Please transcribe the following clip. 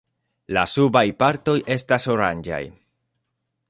La subaj partoj estas oranĝaj.